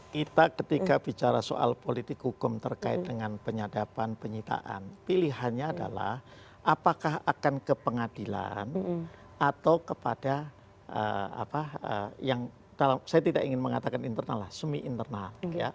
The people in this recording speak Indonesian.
kita ketika bicara soal politik hukum terkait dengan penyadapan penyitaan pilihannya adalah apakah akan ke pengadilan atau kepada apa yang kalau saya tidak ingin mengatakan internal lah semi internal